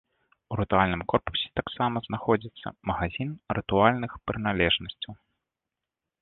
У рытуальным корпусе таксама знаходзіцца магазін рытуальных прыналежнасцяў.